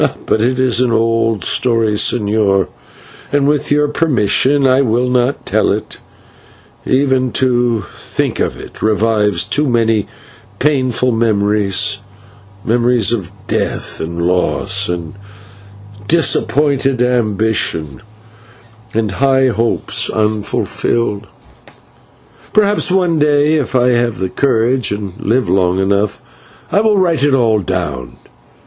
But it is an old story, señor, and with your permission I will not tell it; even to think of it revives too many painful memories, memories of death and loss, and disappointed ambition, and high hopes unfulfilled. Perhaps, one day, if I have the courage and live long enough, I will write it all down.